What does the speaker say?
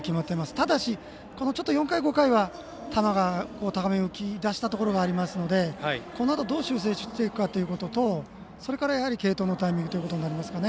ただし、ちょっと４回、５回は球が高めに浮き出したところはあるのでこのあとどう修正していくかということとそれから、継投のタイミングということになります。